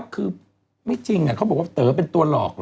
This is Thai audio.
คือไม่จริงเขาบอกว่าเต๋อเป็นตัวหลอก